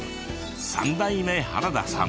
３代目原田さん。